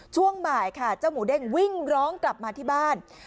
ช่วงบ่ายค่ะเจ้าหมูเด้งวิ่งร้องกลับมาที่บ้าน